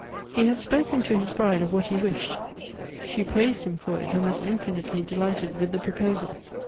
He had spoken to his bride of what he wished. She praised him for it, and was infinitely delighted with the proposal.